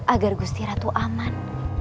agar gusti ratu aman